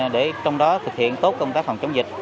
để trong đó thực hiện tốt công tác phòng chống dịch